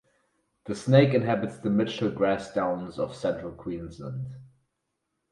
The snake inhabits the Mitchell Grass Downs of central Queensland.